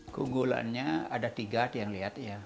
keunggulannya ada tiga kalian lihat ya